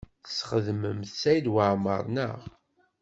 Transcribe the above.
Tesxedmemt Saɛid Waɛmaṛ, naɣ?